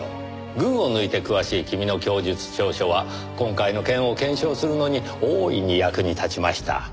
群を抜いて詳しい君の供述調書は今回の件を検証するのに大いに役に立ちました。